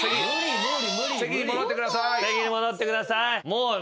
席に戻ってください。